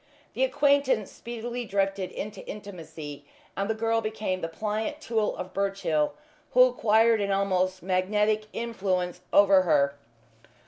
The acquaintance speedily drifted into intimacy, and the girl became the pliant tool of Birchill, who acquired an almost magnetic influence over her.